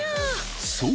そう！